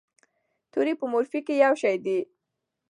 توري په مورفي کې یو شی دي.